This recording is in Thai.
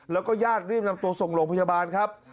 แล้วก็ญาติรีบนำตัวส่งโรงพยาบาลครับ